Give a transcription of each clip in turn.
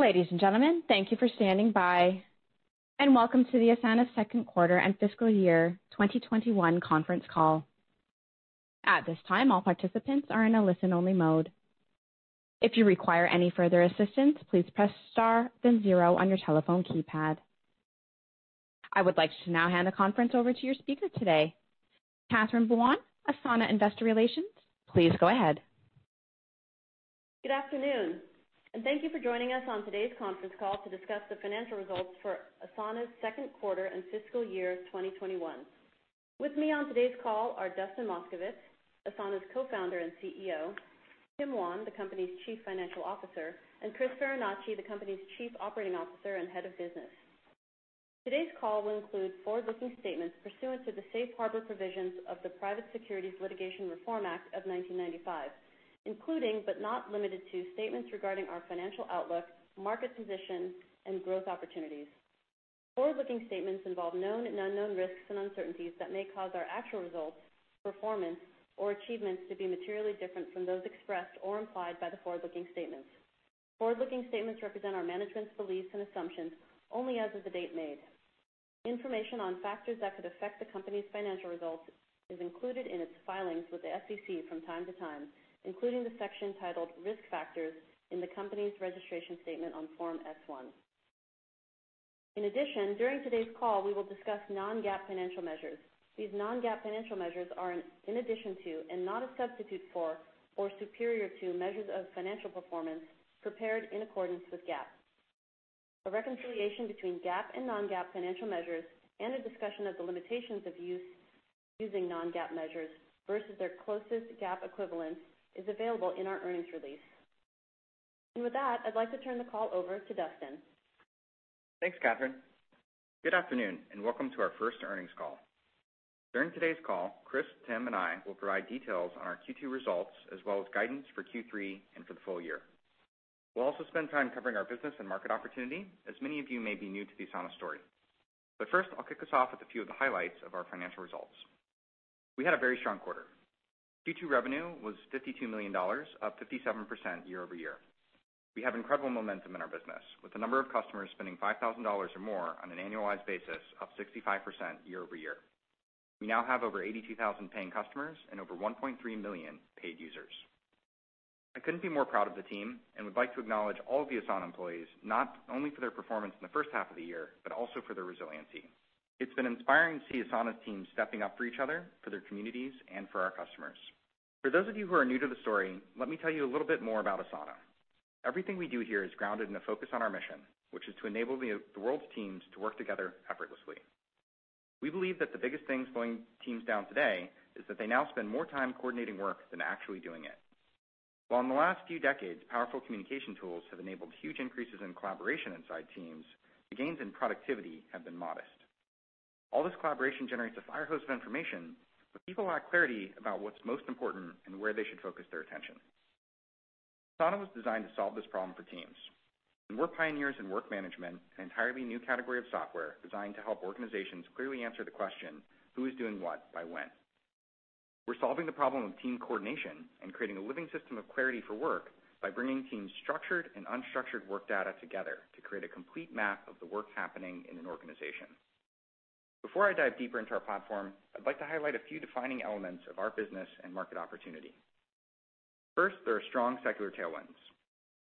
Ladies and gentlemen, thank you for standing by and welcome to the Asana Second Quarter and Fiscal Year 2021 Conference Call. At this time all participants are in a listen only mode. If you require any further assistance please press star and zero on your telephone keypad. I would like to now hand the conference over to your speaker today, Catherine Buan, Asana Investor Relations. Please go ahead. Good afternoon, and thank you for joining us on today's conference call to discuss the financial results for Asana's second quarter and fiscal year 2021. With me on today's call are Dustin Moskovitz, Asana's Co-Founder and CEO, Tim Wan, the company's Chief Financial Officer, and Chris Farinacci, the company's Chief Operating Officer and Head of Business. Today's call will include forward-looking statements pursuant to the safe harbor provisions of the Private Securities Litigation Reform Act of 1995, including, but not limited to, statements regarding our financial outlook, market position, and growth opportunities. Forward-looking statements involve known and unknown risks and uncertainties that may cause our actual results, performance, or achievements to be materially different from those expressed or implied by the forward-looking statements. Forward-looking statements represent our management's beliefs and assumptions only as of the date made. Information on factors that could affect the company's financial results is included in its filings with the SEC from time to time, including the section titled Risk Factors in the company's registration statement on Form S-1. In addition, during today's call, we will discuss non-GAAP financial measures. These non-GAAP financial measures are in addition to, and not a substitute for, or superior to, measures of financial performance prepared in accordance with GAAP. A reconciliation between GAAP and non-GAAP financial measures and a discussion of the limitations of using non-GAAP measures versus their closest GAAP equivalent is available in our earnings release. With that, I'd like to turn the call over to Dustin. Thanks, Catherine. Good afternoon, welcome to our first earnings call. During today's call, Chris, Tim, and I will provide details on our Q2 results as well as guidance for Q3 and for the full year. We'll also spend time covering our business and market opportunity, as many of you may be new to the Asana story. First, I'll kick us off with a few of the highlights of our financial results. We had a very strong quarter. Q2 revenue was $52 million, up 57% year-over-year. We have incredible momentum in our business, with the number of customers spending $5,000 or more on an annualized basis up 65% year-over-year. We now have over 82,000 paying customers and over 1.3 million paid users. I couldn't be more proud of the team and would like to acknowledge all of the Asana employees, not only for their performance in the first half of the year, but also for their resiliency. It's been inspiring to see Asana teams stepping up for each other, for their communities, and for our customers. For those of you who are new to the story, let me tell you a little bit more about Asana. Everything we do here is grounded in a focus on our mission, which is to enable the world's teams to work together effortlessly. We believe that the biggest thing slowing teams down today is that they now spend more time coordinating work than actually doing it. While in the last few decades, powerful communication tools have enabled huge increases in collaboration inside teams, the gains in productivity have been modest. All this collaboration generates a fire hose of information, but people lack clarity about what's most important and where they should focus their attention. Asana was designed to solve this problem for teams, and we're pioneers in work management, an entirely new category of software designed to help organizations clearly answer the question: who is doing what by when? We're solving the problem of team coordination and creating a living system of clarity for work by bringing teams' structured and unstructured work data together to create a complete map of the work happening in an organization. Before I dive deeper into our platform, I'd like to highlight a few defining elements of our business and market opportunity. First, there are strong secular tailwinds.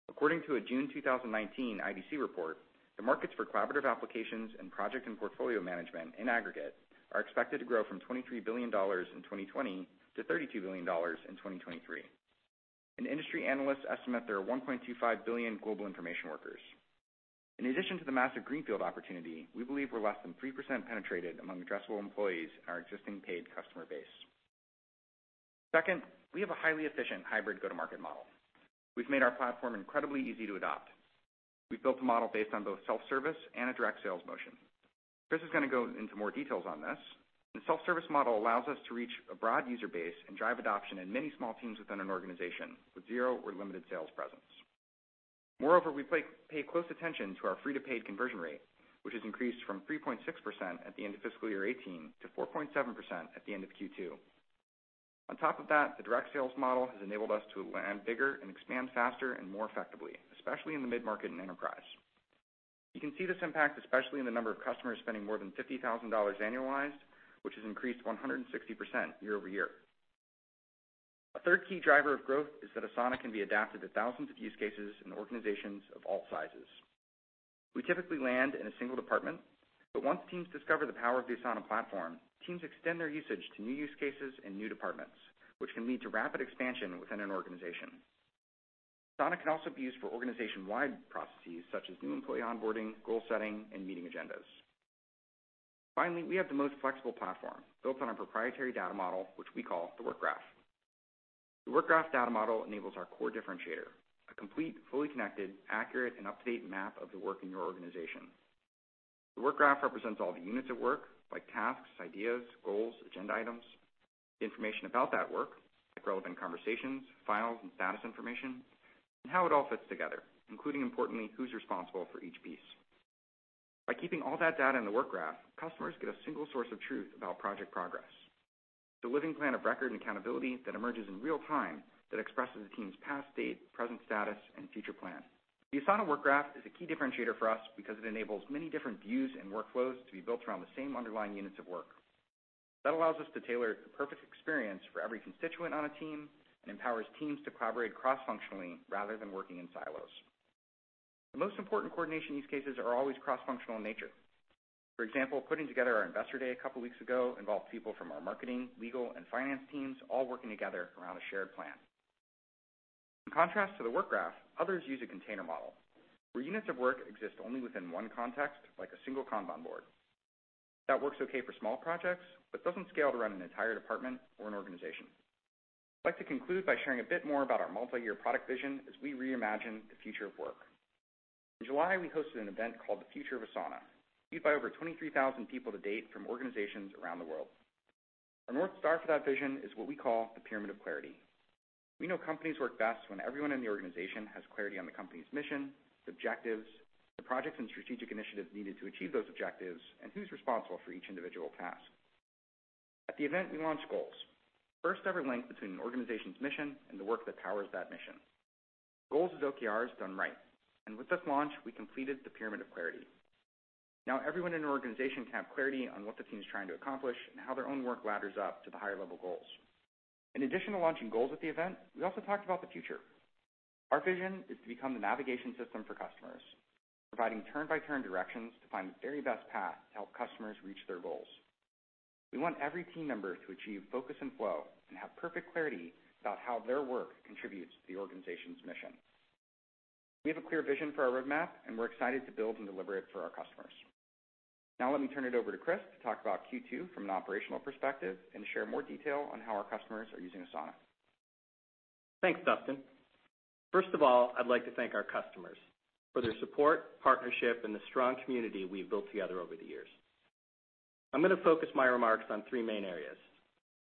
According to a June 2019 IDC report, the markets for collaborative applications and project and portfolio management in aggregate are expected to grow from $23 billion in 2020 to $32 billion in 2023. Industry analysts estimate there are 1.25 billion global information workers. In addition to the massive greenfield opportunity, we believe we're less than 3% penetrated among addressable employees in our existing paid customer base. Second, we have a highly efficient hybrid go-to-market model. We've made our platform incredibly easy to adopt. We've built a model based on both self-service and a direct sales motion. Chris is going to go into more details on this. The self-service model allows us to reach a broad user base and drive adoption in many small teams within an organization with zero or limited sales presence. Moreover, we pay close attention to our free to paid conversion rate, which has increased from 3.6% at the end of fiscal year 2018 to 4.7% at the end of Q2. On top of that, the direct sales model has enabled us to land bigger and expand faster and more effectively, especially in the mid-market and Enterprise. You can see this impact, especially in the number of customers spending more than $50,000 annualized, which has increased 160% year-over-year. A third key driver of growth is that Asana can be adapted to thousands of use cases in organizations of all sizes. We typically land in a single department, but once teams discover the power of the Asana platform, teams extend their usage to new use cases and new departments, which can lead to rapid expansion within an organization. Asana can also be used for organization-wide processes such as new employee onboarding, goal setting, and meeting agendas. Finally, we have the most flexible platform, built on a proprietary data model which we call the Work Graph. The Work Graph data model enables our core differentiator, a complete, fully connected, accurate, and up-to-date map of the work in your organization. The Work Graph represents all the units of work, like tasks, ideas, goals, agenda items. Information about that work, like relevant conversations, files, and status information. How it all fits together, including, importantly, who's responsible for each piece. By keeping all that data in the Work Graph, customers get a single source of truth about project progress. It's a living plan of record and accountability that emerges in real time that expresses the team's past state, present status, and future plan. The Asana Work Graph is a key differentiator for us because it enables many different views and workflows to be built around the same underlying units of work. That allows us to tailor the perfect experience for every constituent on a team and empowers teams to collaborate cross-functionally rather than working in silos. The most important coordination use cases are always cross-functional in nature. For example, putting together our Investor Day a couple of weeks ago involved people from our marketing, legal, and finance teams all working together around a shared plan. In contrast to the Work Graph, others use a container model where units of work exist only within one context, like a single Kanban board. That works okay for small projects but doesn't scale to run an entire department or an organization. I'd like to conclude by sharing a bit more about our multi-year product vision as we reimagine the future of work. In July, we hosted an event called The Future of Asana, viewed by over 23,000 people to date from organizations around the world. Our North Star for that vision is what we call the Pyramid of Clarity. We know companies work best when everyone in the organization has clarity on the company's mission, its objectives, the projects and strategic initiatives needed to achieve those objectives, and who's responsible for each individual task. At the event, we launched Goals, the first-ever link between an organization's mission and the work that powers that mission. Goals is OKRs done right, and with this launch, we completed the Pyramid of Clarity. Now everyone in an organization can have clarity on what the team is trying to accomplish and how their own work ladders up to the higher-level Goals. In addition to launching Goals at the event, we also talked about the future. Our vision is to become the navigation system for customers, providing turn-by-turn directions to find the very best path to help customers reach their goals. We want every team member to achieve focus and flow and have perfect clarity about how their work contributes to the organization's mission. We have a clear vision for our roadmap, and we're excited to build and deliver it for our customers. Now let me turn it over to Chris to talk about Q2 from an operational perspective and share more detail on how our customers are using Asana. Thanks, Dustin. First of all, I'd like to thank our customers for their support, partnership, and the strong community we've built together over the years. I'm going to focus my remarks on three main areas.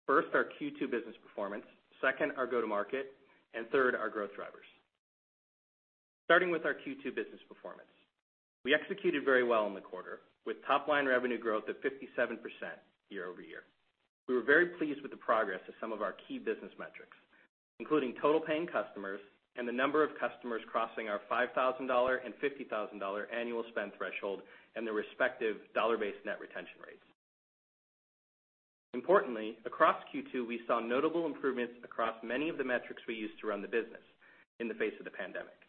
First, our Q2 business performance, second, our go-to-market, and third, our growth drivers. Starting with our Q2 business performance. We executed very well in the quarter, with top-line revenue growth at 57% year-over-year. We were very pleased with the progress of some of our key business metrics, including total paying customers and the number of customers crossing our $5,000 and $50,000 annual spend threshold and their respective dollar-based net retention rates. Importantly, across Q2, we saw notable improvements across many of the metrics we use to run the business in the face of the pandemic.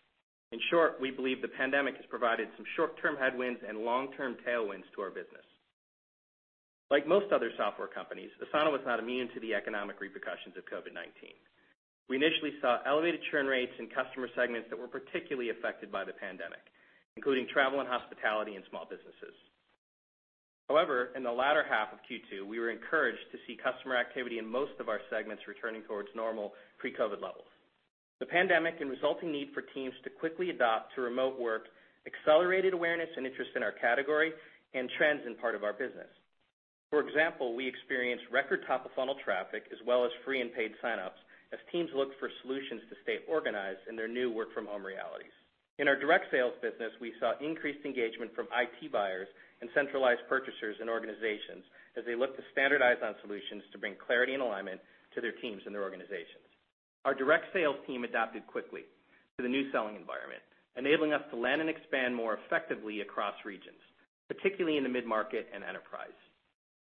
In short, we believe the pandemic has provided some short-term headwinds and long-term tailwinds to our business. Like most other software companies, Asana was not immune to the economic repercussions of COVID-19. We initially saw elevated churn rates in customer segments that were particularly affected by the pandemic, including travel and hospitality and small businesses. However, in the latter half of Q2, we were encouraged to see customer activity in most of our segments returning towards normal pre-COVID levels. The pandemic and resulting need for teams to quickly adopt to remote work accelerated awareness and interest in our category and trends in part of our business. For example, we experienced record top-of-funnel traffic as well as free and paid sign-ups as teams looked for solutions to stay organized in their new work-from-home realities. In our direct sales business, we saw increased engagement from IT buyers and centralized purchasers in organizations as they looked to standardize on solutions to bring clarity and alignment to their teams and their organizations. Our direct sales team adapted quickly to the new selling environment, enabling us to land and expand more effectively across regions, particularly in the mid-market and Enterprise.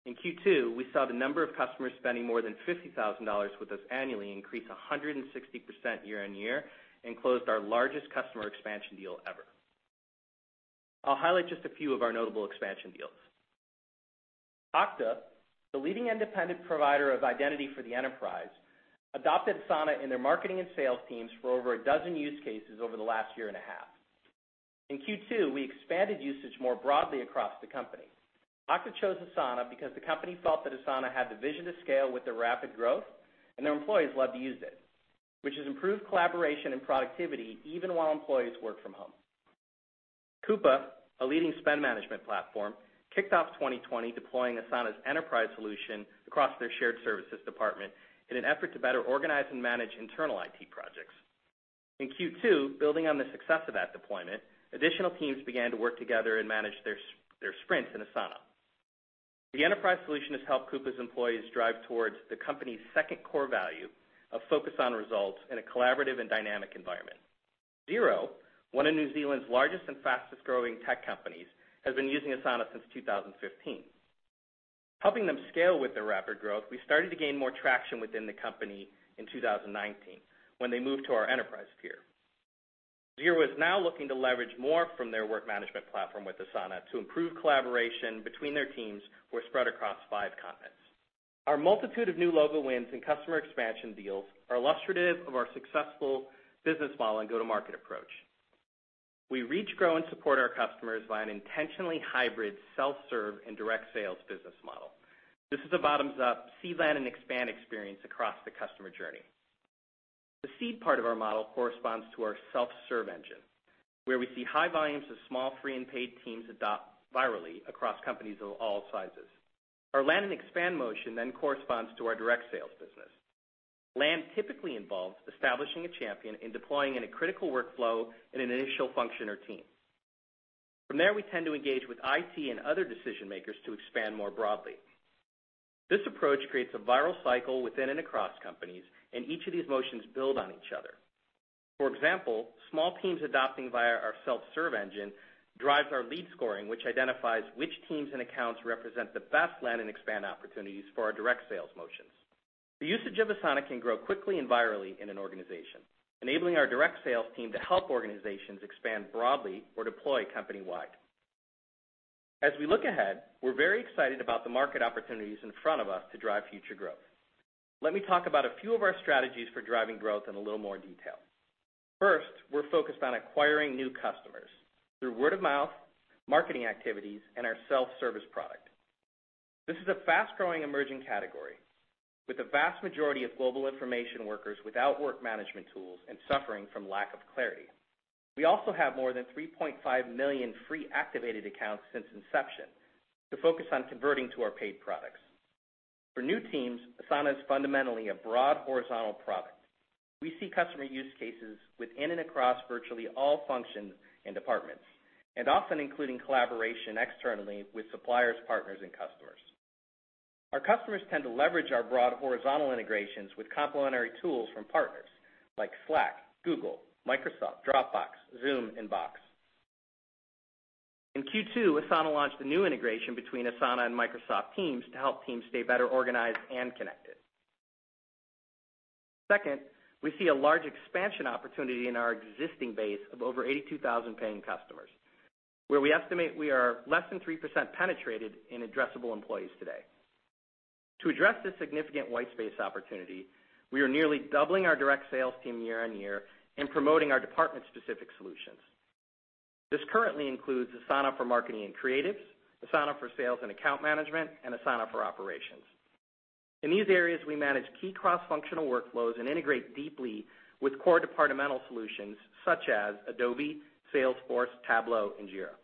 In Q2, we saw the number of customers spending more than $50,000 with us annually increase 160% year-on-year and closed our largest customer expansion deal ever. I'll highlight just a few of our notable expansion deals. Okta, the leading independent provider of identity for the Enterprise, adopted Asana in their marketing and sales teams for over 12 use cases over the last year and a half. In Q2, we expanded usage more broadly across the company. Okta chose Asana because the company felt that Asana had the vision to scale with their rapid growth, and their employees love to use it, which has improved collaboration and productivity even while employees work from home. Coupa, a leading spend management platform, kicked off 2020 deploying Asana's Enterprise solution across their shared services department in an effort to better organize and manage internal IT projects. In Q2, building on the success of that deployment, additional teams began to work together and manage their sprints in Asana. The Enterprise solution has helped Coupa's employees drive towards the company's second core value of focus on results in a collaborative and dynamic environment. Xero, one of New Zealand's largest and fastest-growing tech companies, has been using Asana since 2015. Helping them scale with their rapid growth, we started to gain more traction within the company in 2019 when they moved to our Enterprise tier. Xero is now looking to leverage more from their work management platform with Asana to improve collaboration between their teams who are spread across five continents. Our multitude of new logo wins and customer expansion deals are illustrative of our successful business model and go-to-market approach. We reach, grow, and support our customers via an intentionally hybrid self-serve and direct sales business model. This is a bottoms-up seed, land, and expand experience across the customer journey. The seed part of our model corresponds to our self-serve engine, where we see high volumes of small, free, and paid teams adopt virally across companies of all sizes. Our land and expand motion corresponds to our direct sales business. Land typically involves establishing a champion and deploying in a critical workflow in an initial function or team. From there, we tend to engage with IT and other decision-makers to expand more broadly. This approach creates a viral cycle within and across companies. Each of these motions build on each other. For example, small teams adopting via our self-serve engine drives our lead scoring, which identifies which teams and accounts represent the best land-and-expand opportunities for our direct sales motions. The usage of Asana can grow quickly and virally in an organization, enabling our direct sales team to help organizations expand broadly or deploy company-wide. As we look ahead, we're very excited about the market opportunities in front of us to drive future growth. Let me talk about a few of our strategies for driving growth in a little more detail. First, we're focused on acquiring new customers through word of mouth, marketing activities, and our self-service product. This is a fast-growing, emerging category with the vast majority of global information workers without work management tools and suffering from lack of clarity. We also have more than 3.5 million free activated accounts since inception to focus on converting to our paid products. For new teams, Asana is fundamentally a broad horizontal product. We see customer use cases within and across virtually all functions and departments, and often including collaboration externally with suppliers, partners, and customers. Our customers tend to leverage our broad horizontal integrations with complementary tools from partners like Slack, Google, Microsoft, Dropbox, Zoom, and Box. In Q2, Asana launched a new integration between Asana and Microsoft Teams to help teams stay better organized and connected. Second, we see a large expansion opportunity in our existing base of over 82,000 paying customers, where we estimate we are less than 3% penetrated in addressable employees today. To address this significant white space opportunity, we are nearly doubling our direct sales team year-on-year and promoting our department-specific solutions. This currently includes Asana for Marketing and Creative teams, Asana for Sales and Account Management, and Asana for Operations. In these areas, we manage key cross-functional workflows and integrate deeply with core departmental solutions such as Adobe, Salesforce, Tableau, and Jira.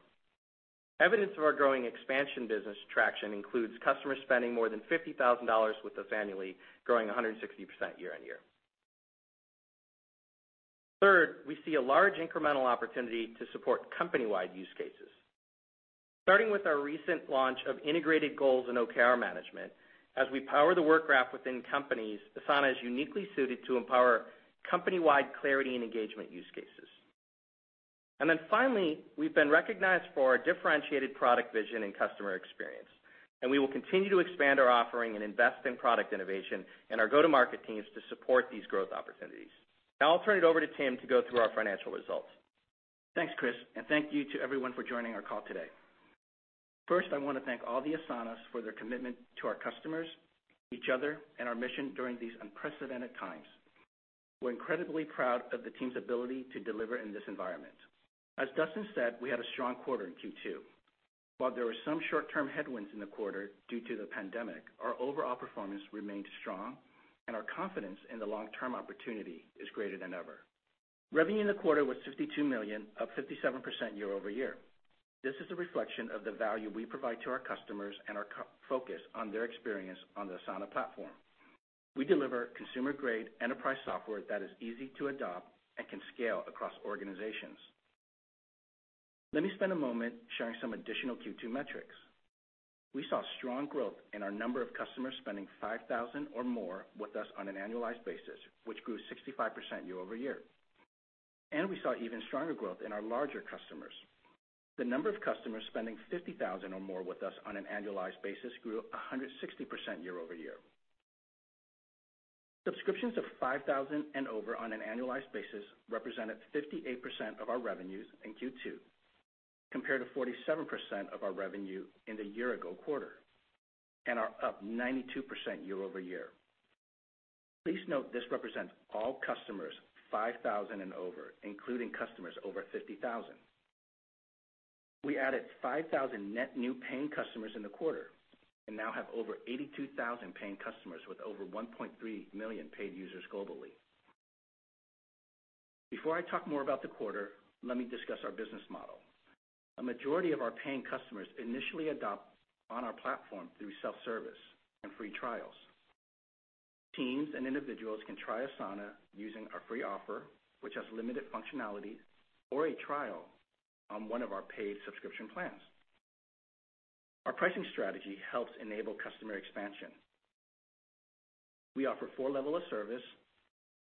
Evidence of our growing expansion business traction includes customer spending more than $50,000 with us annually, growing 160% year-on-year. Third, we see a large incremental opportunity to support company-wide use cases. Starting with our recent launch of integrated goals in OKR management, as we power the Work Graph within companies, Asana is uniquely suited to empower company-wide clarity and engagement use cases. Finally, we've been recognized for our differentiated product vision and customer experience, and we will continue to expand our offering and invest in product innovation and our go-to-market teams to support these growth opportunities. I'll turn it over to Tim to go through our financial results. Thanks, Chris, and thank you to everyone for joining our call today. First, I want to thank all the Asana for their commitment to our customers, each other, and our mission during these unprecedented times. We're incredibly proud of the team's ability to deliver in this environment. As Dustin said, we had a strong quarter in Q2. While there were some short-term headwinds in the quarter due to the pandemic, our overall performance remained strong, and our confidence in the long-term opportunity is greater than ever. Revenue in the quarter was $52 million, up 57% year-over-year. This is a reflection of the value we provide to our customers and our focus on their experience on the Asana platform. We deliver consumer-grade enterprise software that is easy to adopt and can scale across organizations. Let me spend a moment sharing some additional Q2 metrics. We saw strong growth in our number of customers spending $5,000 or more with us on an annualized basis, which grew 65% year-over-year. We saw even stronger growth in our larger customers. The number of customers spending $50,000 or more with us on an annualized basis grew 160% year-over-year. Subscriptions of $5,000 and over on an annualized basis represented 58% of our revenues in Q2, compared to 47% of our revenue in the year-ago quarter, and are up 92% year-over-year. Please note this represents all customers $5,000 and over, including customers over $50,000. We added 5,000 net new paying customers in the quarter and now have over 82,000 paying customers with over 1.3 million paid users globally. Before I talk more about the quarter, let me discuss our business model. A majority of our paying customers initially adopt on our platform through self-service and free trials. Teams and individuals can try Asana using our free offer, which has limited functionality, or a trial on one of our paid subscription plans. Our pricing strategy helps enable customer expansion. We offer four level of service: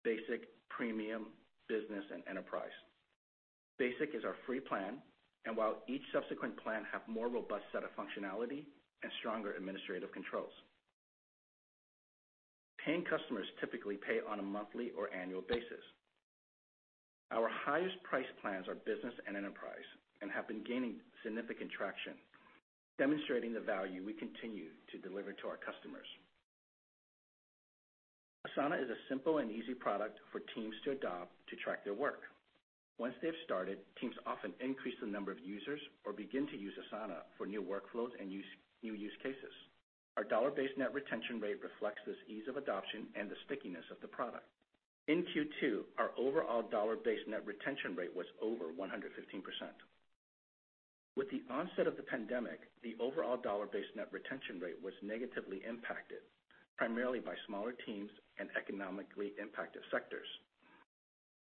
Basic, Premium, Business, and Enterprise. Basic is our free plan, and while each subsequent plan have more robust set of functionality and stronger administrative controls. Paying customers typically pay on a monthly or annual basis. Our highest price plans are Business and Enterprise and have been gaining significant traction, demonstrating the value we continue to deliver to our customers. Asana is a simple and easy product for teams to adopt to track their work. Once they've started, teams often increase the number of users or begin to use Asana for new workflows and new use cases. Our dollar-based net retention rate reflects this ease of adoption and the stickiness of the product. In Q2, our overall dollar-based net retention rate was over 115%. With the onset of the pandemic, the overall dollar-based net retention rate was negatively impacted, primarily by smaller teams and economically impacted sectors.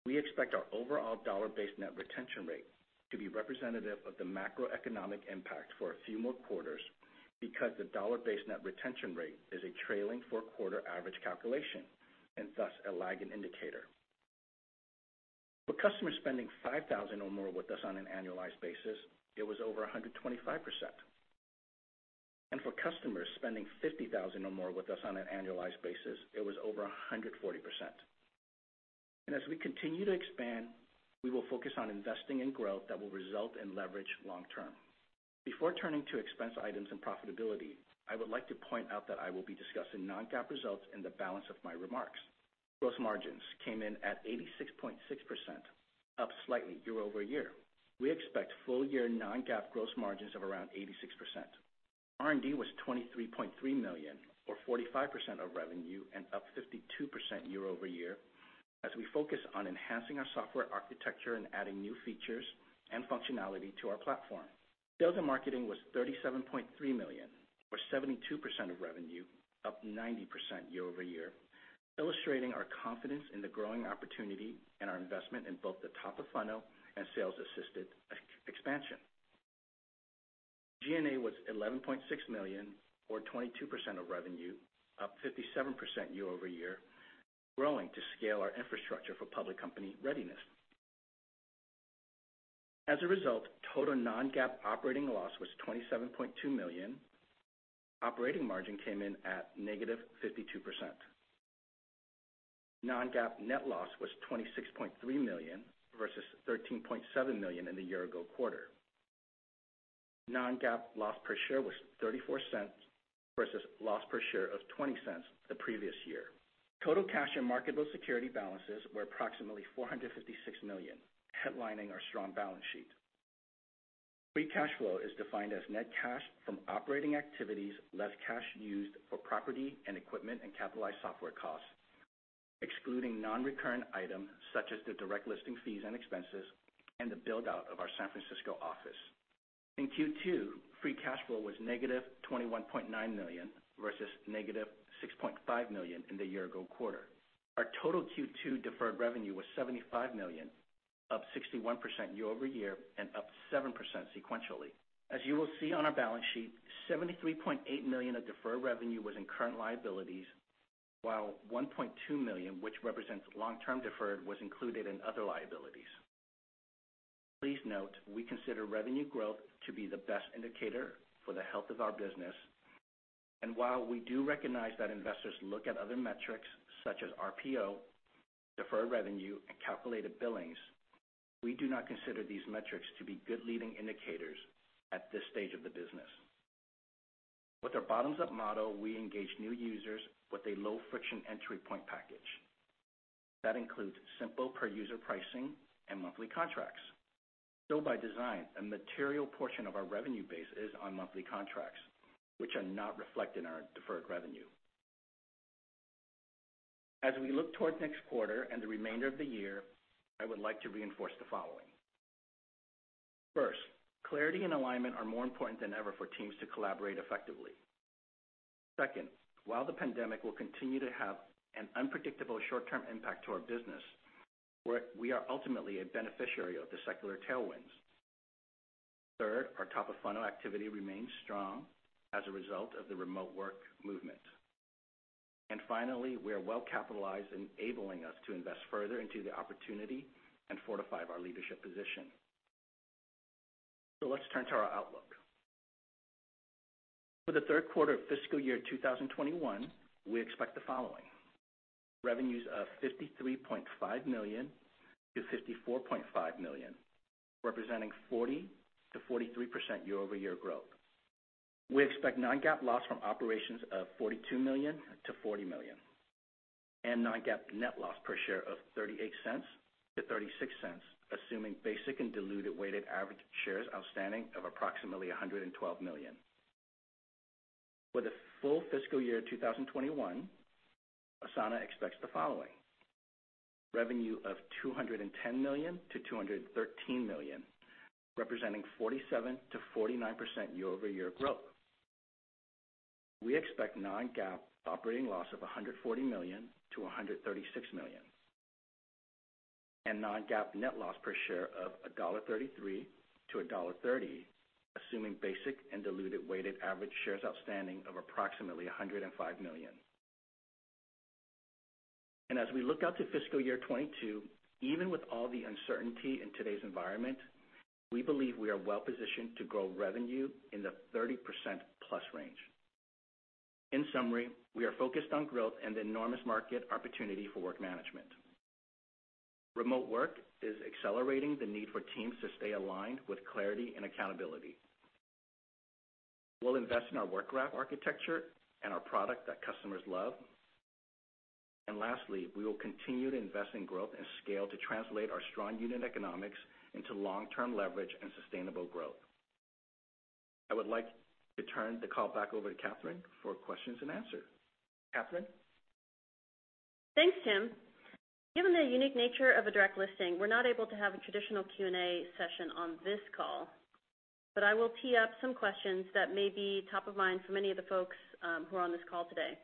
We expect our overall dollar-based net retention rate to be representative of the macroeconomic impact for a few more quarters because the dollar-based net retention rate is a trailing four-quarter average calculation, and thus a lagging indicator. For customers spending $5,000 or more with us on an annualized basis, it was over 125%. For customers spending $50,000 or more with us on an annualized basis, it was over 140%. As we continue to expand, we will focus on investing in growth that will result in leverage long term. Before turning to expense items and profitability, I would like to point out that I will be discussing non-GAAP results in the balance of my remarks. Gross margins came in at 86.6%, up slightly year-over-year. We expect full year non-GAAP gross margins of around 86%. R&D was $23.3 million, or 45% of revenue, and up 52% year-over-year, as we focus on enhancing our software architecture and adding new features and functionality to our platform. Sales and marketing was $37.3 million, or 72% of revenue, up 90% year-over-year, illustrating our confidence in the growing opportunity and our investment in both the top of funnel and sales assisted expansion. G&A was $11.6 million, or 22% of revenue, up 57% year-over-year, growing to scale our infrastructure for public company readiness. As a result, total non-GAAP operating loss was $27.2 million. Operating margin came in at -52%. Non-GAAP net loss was $26.3 million versus $13.7 million in the year ago quarter. Non-GAAP loss per share was $0.34 versus loss per share of $0.20 the previous year. Total cash and marketable security balances were approximately $456 million, headlining our strong balance sheet. Free cash flow is defined as net cash from operating activities less cash used for property and equipment and capitalized software costs, excluding non-recurrent items such as the direct listing fees and expenses and the build-out of our San Francisco office. In Q2, free cash flow was -$21.9 million, versus -$6.5 million in the year ago quarter. Our total Q2 deferred revenue was $75 million, up 61% year-over-year, and up 7% sequentially. As you will see on our balance sheet, $73.8 million of deferred revenue was in current liabilities, while $1.2 million, which represents long-term deferred, was included in other liabilities. Please note, we consider revenue growth to be the best indicator for the health of our business. While we do recognize that investors look at other metrics such as RPO, deferred revenue, and calculated billings, we do not consider these metrics to be good leading indicators at this stage of the business. With our bottoms-up model, we engage new users with a low friction entry point package. That includes simple per-user pricing and monthly contracts. By design, a material portion of our revenue base is on monthly contracts, which are not reflected in our deferred revenue. As we look toward next quarter and the remainder of the year, I would like to reinforce the following. First, clarity and alignment are more important than ever for teams to collaborate effectively. Second, while the pandemic will continue to have an unpredictable short-term impact to our business, we are ultimately a beneficiary of the secular tailwinds. Third, our top-of-funnel activity remains strong as a result of the remote work movement. Finally, we are well capitalized, enabling us to invest further into the opportunity and fortify our leadership position. Let's turn to our outlook. For the third quarter of fiscal year 2021, we expect the following. Revenues of $53.5 million-$54.5 million, representing 40%-43% year-over-year growth. We expect non-GAAP loss from operations of $42 million-$40 million. Non-GAAP net loss per share of $0.38-$0.36, assuming basic and diluted weighted average shares outstanding of approximately 112 million. For the full fiscal year 2021, Asana expects the following. Revenue of $210 million-$213 million, representing 47%-49% year-over-year growth. We expect non-GAAP operating loss of $140 million-$136 million. Non-GAAP net loss per share of $1.33-$1.30, assuming basic and diluted weighted average shares outstanding of approximately 105 million. As we look out to fiscal year 2022, even with all the uncertainty in today's environment, we believe we are well positioned to grow revenue in the 30%+ range. In summary, we are focused on growth and the enormous market opportunity for work management. Remote work is accelerating the need for teams to stay aligned with clarity and accountability. We'll invest in our Work Graph architecture and our product that customers love. Lastly, we will continue to invest in growth and scale to translate our strong unit economics into long-term leverage and sustainable growth. I would like to turn the call back over to Catherine for questions and answers. Catherine? Thanks, Tim. Given the unique nature of a direct listing, we're not able to have a traditional Q&A session on this call, but I will tee up some questions that may be top of mind for many of the folks who are on this call today.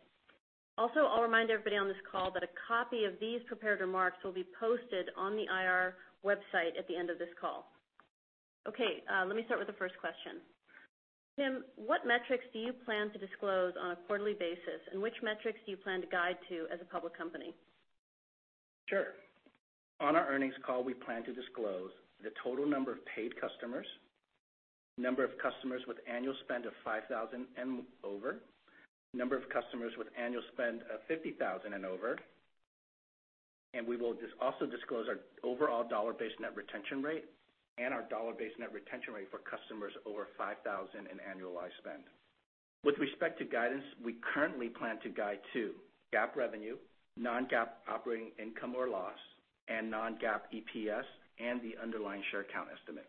Also, I'll remind everybody on this call that a copy of these prepared remarks will be posted on the IR website at the end of this call. Okay, let me start with the first question. Tim, what metrics do you plan to disclose on a quarterly basis, and which metrics do you plan to guide to as a public company? Sure. On our earnings call, we plan to disclose the total number of paid customers, number of customers with annual spend of $5,000 and over, number of customers with annual spend of $50,000 and over, and we will also disclose our overall dollar-based net retention rate and our dollar-based net retention rate for customers over $5,000 in annualized spend. With respect to guidance, we currently plan to guide to GAAP revenue, non-GAAP operating income or loss, and non-GAAP EPS and the underlying share count estimate.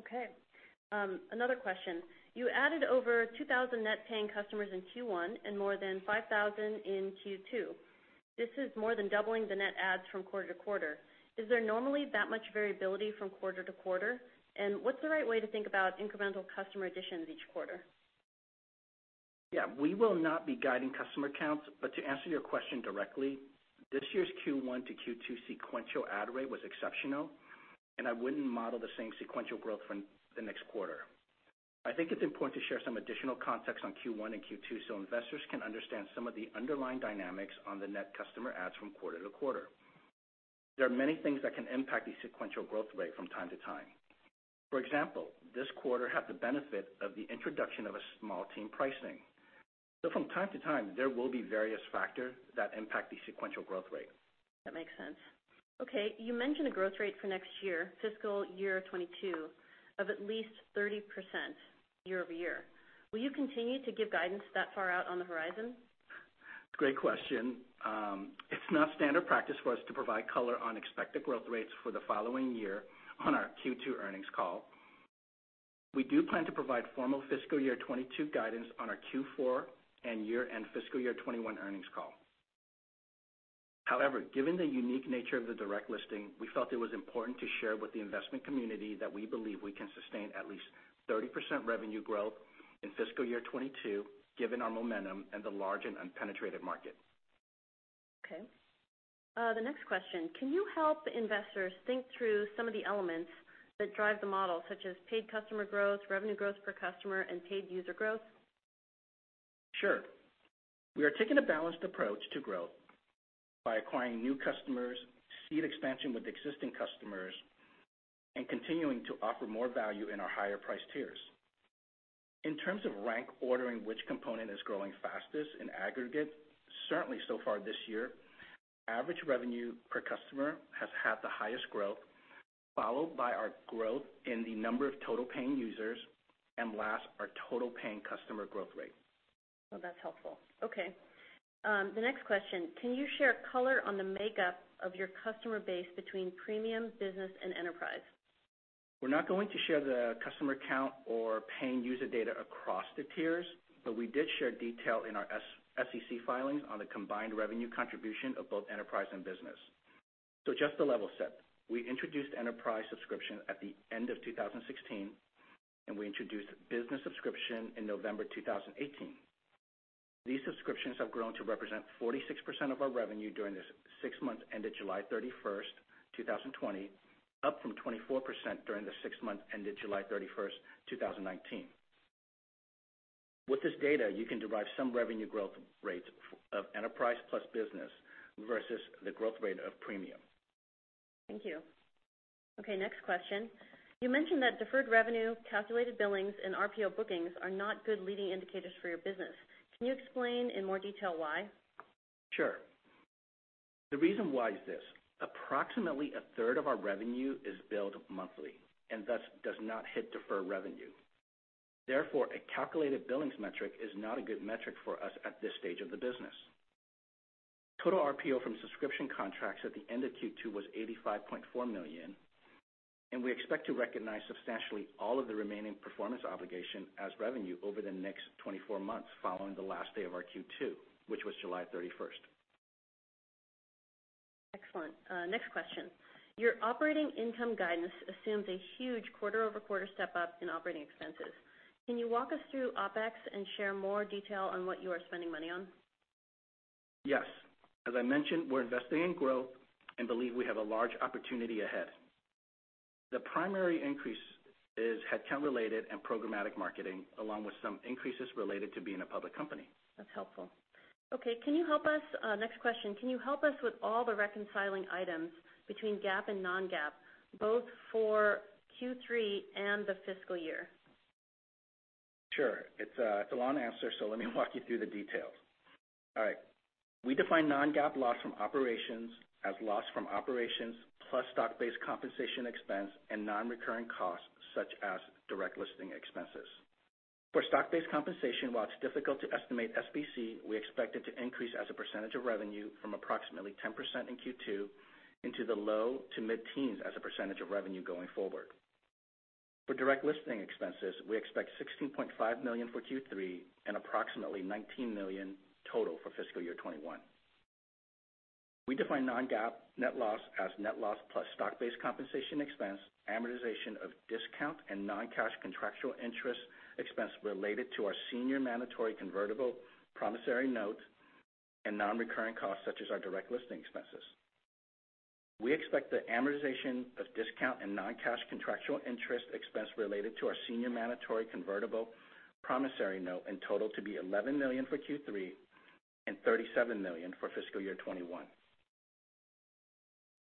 Okay. Another question. You added over 2,000 net paying customers in Q1 and more than 5,000 in Q2. This is more than doubling the net adds from quarter-to-quarter. Is there normally that much variability from quarter-to-quarter? What's the right way to think about incremental customer additions each quarter? Yeah, we will not be guiding customer counts. To answer your question directly, this year's Q1 to Q2 sequential add rate was exceptional, and I wouldn't model the same sequential growth for the next quarter. I think it's important to share some additional context on Q1 and Q2 so investors can understand some of the underlying dynamics on the net customer adds from quarter to quarter. There are many things that can impact the sequential growth rate from time to time. For example, this quarter had the benefit of the introduction of a small team pricing. From time to time, there will be various factors that impact the sequential growth rate. That makes sense. Okay, you mentioned a growth rate for next year, fiscal year 2022, of at least 30% year-over-year. Will you continue to give guidance that far out on the horizon? Great question. It's not standard practice for us to provide color on expected growth rates for the following year on our Q2 earnings call. We do plan to provide formal fiscal year 2022 guidance on our Q4 and year-end fiscal year 2021 earnings call. However, given the unique nature of the direct listing, we felt it was important to share with the investment community that we believe we can sustain at least 30% revenue growth in fiscal year 2022, given our momentum and the large and unpenetrated market. Okay. The next question, can you help investors think through some of the elements that drive the model, such as paid customer growth, revenue growth per customer, and paid user growth? Sure. We are taking a balanced approach to growth by acquiring new customers, seed expansion with existing customers, and continuing to offer more value in our higher-priced tiers. In terms of rank ordering which component is growing fastest in aggregate, certainly so far this year, average revenue per customer has had the highest growth, followed by our growth in the number of total paying users, and last, our total paying customer growth rate. Well, that's helpful. Okay. The next question, can you share color on the makeup of your customer base between Premium, Business, and Enterprise? We're not going to share the customer count or paying user data across the tiers, but we did share detail in our SEC filings on the combined revenue contribution of both Enterprise and Business. Just a level set. We introduced Enterprise subscription at the end of 2016, and we introduced Business subscription in November 2018. These subscriptions have grown to represent 46% of our revenue during the six months ended July 31, 2020, up from 24% during the six months ended July 31, 2019. With this data, you can derive some revenue growth rates of Enterprise plus Business versus the growth rate of Premium. Thank you. Okay, next question. You mentioned that deferred revenue, calculated billings, and RPO bookings are not good leading indicators for your business. Can you explain in more detail why? Sure. The reason why is this. Approximately a third of our revenue is billed monthly and thus does not hit deferred revenue. Therefore, a calculated billings metric is not a good metric for us at this stage of the business. Total RPO from subscription contracts at the end of Q2 was $85.4 million, and we expect to recognize substantially all of the remaining performance obligation as revenue over the next 24 months following the last day of our Q2, which was July 31st. Excellent. Next question. Your operating income guidance assumes a huge quarter-over-quarter step-up in operating expenses. Can you walk us through OpEx and share more detail on what you are spending money on? Yes. As I mentioned, we're investing in growth and believe we have a large opportunity ahead. The primary increase is headcount-related and programmatic marketing, along with some increases related to being a public company. That's helpful. Okay, next question. Can you help us with all the reconciling items between GAAP and non-GAAP, both for Q3 and the fiscal year? Sure. It's a long answer, so let me walk you through the details. All right. We define non-GAAP loss from operations as loss from operations plus stock-based compensation expense and non-recurring costs such as direct listing expenses. For stock-based compensation, while it's difficult to estimate SBC, we expect it to increase as a percentage of revenue from approximately 10% in Q2 into the low to mid-teens as a percentage of revenue going forward. For direct listing expenses, we expect $16.5 million for Q3 and approximately $19 million total for fiscal year 2021. We define non-GAAP net loss as net loss plus stock-based compensation expense, amortization of discount and non-cash contractual interest expense related to our senior mandatory convertible promissory note, and non-recurring costs such as our direct listing expenses. We expect the amortization of discount and non-cash contractual interest expense related to our senior mandatory convertible promissory note in total to be $11 million for Q3 and $37 million for fiscal year 2021.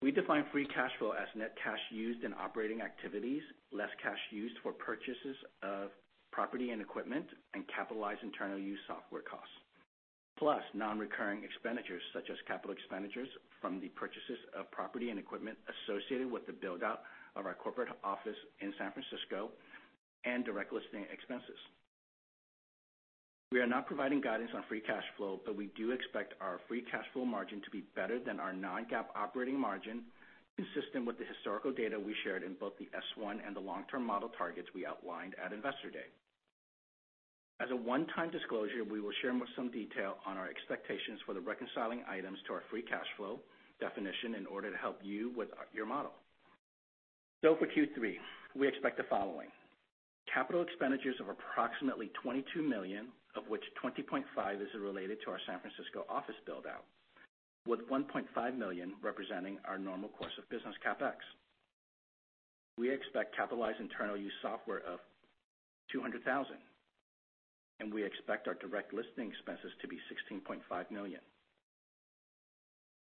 We define free cash flow as net cash used in operating activities less cash used for purchases of property and equipment and capitalize internal use software costs, plus non-recurring expenditures such as capital expenditures from the purchases of property and equipment associated with the build-out of our corporate office in San Francisco and direct listing expenses. We are not providing guidance on free cash flow, but we do expect our free cash flow margin to be better than our non-GAAP operating margin, consistent with the historical data we shared in both the S-1 and the long-term model targets we outlined at Investor Day. As a one-time disclosure, we will share some detail on our expectations for the reconciling items to our free cash flow definition in order to help you with your model. For Q3, we expect the following. Capital expenditures of approximately $22 million, of which $20.5 million is related to our San Francisco office build-out, with $1.5 million representing our normal course of business CapEx. We expect capitalized internal use software of $200,000, and we expect our direct listing expenses to be $16.5 million.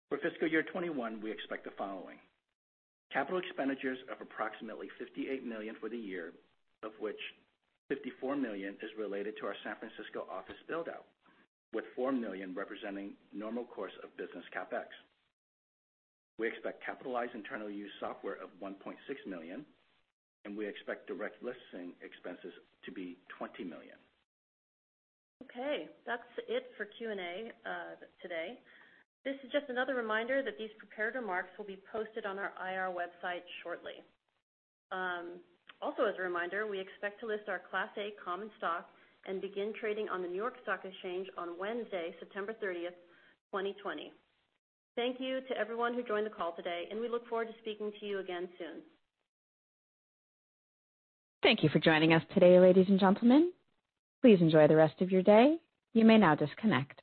For fiscal year 2021, we expect the following. Capital expenditures of approximately $58 million for the year, of which $54 million is related to our San Francisco office build-out, with $4 million representing normal course of business CapEx. We expect capitalized internal use software of $1.6 million, and we expect direct listing expenses to be $20 million. Okay, that's it for Q&A today. This is just another reminder that these prepared remarks will be posted on our IR website shortly. Also as a reminder, we expect to list our Class A common stock and begin trading on the New York Stock Exchange on Wednesday, September 30th, 2020. Thank you to everyone who joined the call today, and we look forward to speaking to you again soon. Thank you for joining us today, ladies and gentlemen. Please enjoy the rest of your day. You may now disconnect.